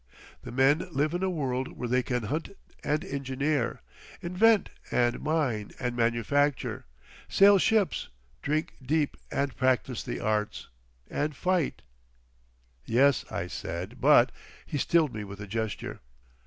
The men live in a world where they can hunt and engineer, invent and mine and manufacture, sail ships, drink deep and practice the arts, and fight—" "Yes," I said, "but—" He stilled me with a gesture.